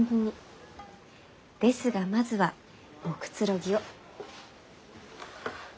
ですがまずはおくつろぎを。